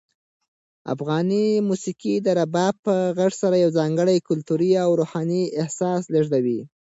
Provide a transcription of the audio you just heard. افغاني موسیقي د رباب په غږ سره یو ځانګړی کلتوري او روحاني احساس لېږدوي.